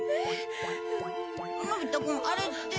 のび太くんあれって。